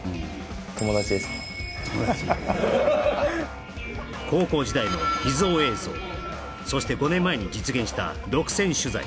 友だちですね高校時代の秘蔵映像そして５年前に実現した独占取材